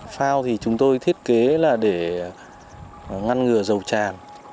phao thì chúng tôi thiết kế là để ngăn ngừa dầu tràn